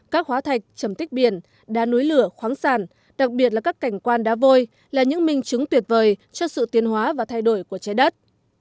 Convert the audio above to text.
các hóa thạch trầm tích biển đá núi lửa khoáng sản đặc biệt là các cảnh quan đá vôi là những minh chứng tuyệt vời cho sự tiến hóa và thay đổi của trái đất